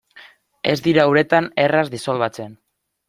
Ez dira uretan erraz disolbatzen.